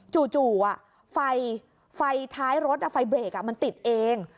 จู่ไฟท้ายรถไฟเบรกมันติดเอง